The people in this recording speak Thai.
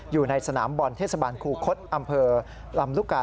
อยู่ในสนามบอลเทศบาลคูคศอำเภอลำลูกกา